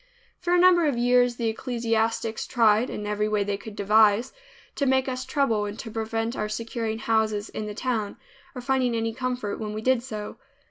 For a number of years the ecclesiastics tried, in every way they could devise, to make us trouble and to prevent our securing houses in the town, or finding any comfort when we did so.